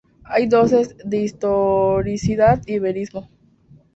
Hay dosis de historicidad y verismo.